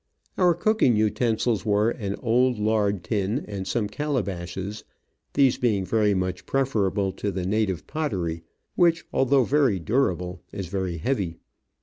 Our cooking utensils were an old lard tin and some calabashes, these being very much preferable to the native pottery, which, although very durable, is very heavy.